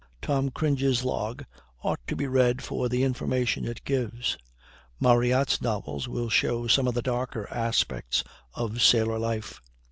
"Tom Cringle's log" ought to be read for the information it gives. Marryatt's novels will show some of the darker aspects of sailor life.